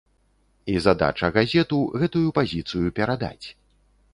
І задача газету гэтую пазіцыю перадаць.